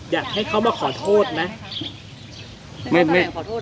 อยากให้เขามาขอโทษไหม